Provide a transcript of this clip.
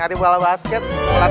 tar untuk gua pulang